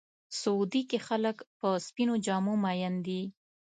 سعودي کې خلک په سپینو جامو مین دي.